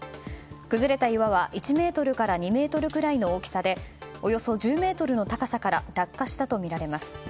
崩れた岩は１ｍから２ｍくらいの大きさでおよそ１０ｍの高さから落下したとみられます。